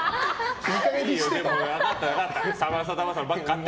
分かった、分かった。